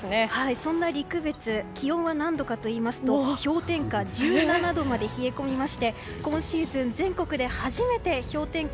そんな陸別、気温は氷点下１７度まで冷え込みまして今シーズン全国で初めて氷点下